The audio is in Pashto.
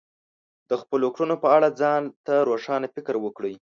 د خپلو کړنو په اړه ځان ته روښانه فکر وکړئ.